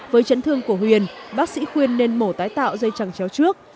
với chấn thương của huyền bác sĩ khuyên nên mổ tái tạo dây chẳng chéo trước